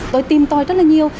tôi tìm tòi rất là nhiều